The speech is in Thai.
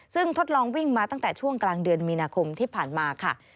ซึ่งทดลองวิ่งมาตั้งแต่ช่วงกลางเดือนมีนาคมที่ผ่านมาค่ะ